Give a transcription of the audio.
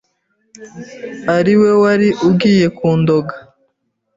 ariwe wari ugiye kundoga.”